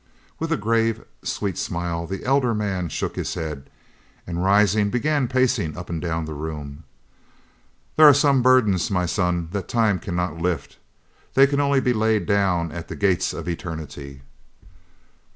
'" With a grave, sweet smile the elder man shook his head, and, rising, began pacing up and down the room. "There are some burdens, my son, that time cannot lift; they can only be laid down at the gates of eternity."